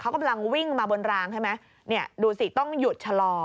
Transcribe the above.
เขากำลังวิ่งมาบนรางใช่ไหมเนี่ยดูสิต้องหยุดชะลอ